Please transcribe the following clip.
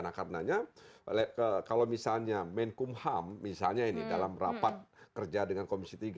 nah karenanya kalau misalnya menkumham misalnya ini dalam rapat kerja dengan komisi tiga